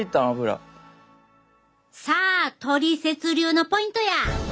さあトリセツ流のポイントや！